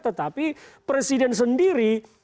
tetapi presiden sendiri